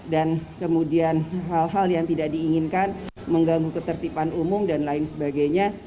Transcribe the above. dan kemudian hal hal yang tidak diinginkan mengganggu ketertiban umum dan lain sebagainya